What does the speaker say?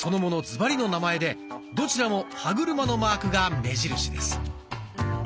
ズバリの名前でどちらも歯車のマークが目印です。